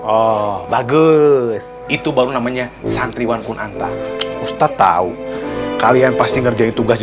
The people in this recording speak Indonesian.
oh bagus itu baru namanya santriwan kunanta ustadz tahu kalian pasti ngerjain tugas di